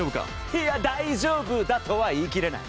いや、大丈夫だとは言い切れない。